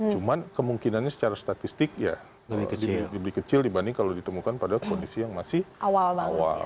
cuman kemungkinannya secara statistik ya lebih kecil dibanding kalau ditemukan pada kondisi yang masih awal awal